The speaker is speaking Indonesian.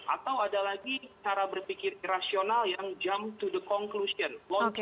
atau ada lagi cara berpikir irasional yang jump to the conclusion